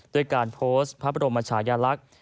โดยการโพสต์พระบรมอาชญาลักษณ์